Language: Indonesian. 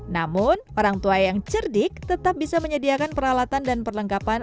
namun orang tua yang cerdik tetap bisa menyediakan peralatan dan perlengkapan